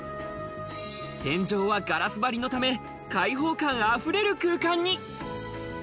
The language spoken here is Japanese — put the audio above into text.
天井はガラス張りのため、開放感溢れる空間に。